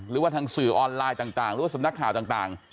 หรือว่าทางสื่อออนไลน์ต่างหรือว่าสำนักข่าวต่าง